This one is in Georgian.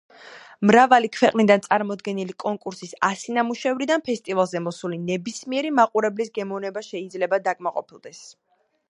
მრავალი ქვეყნიდან წარმოდგენილი კონკურსის ასი ნამუშევრიდან ფესტივალზე მოსული ნებისმიერი მაყურებლის გემოვნება შეიძლება დაკმაყოფილდეს.